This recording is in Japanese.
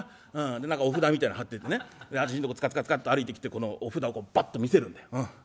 で何かお札みたいのを貼っててね私のとこツカツカツカと歩いてきてこのお札をバッと見せるんだよ。